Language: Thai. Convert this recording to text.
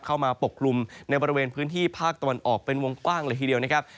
ปกกลุ่มในบริเวณพื้นที่ภาคตะวันออกเป็นวงกว้างเลยทีเดียวนะครับ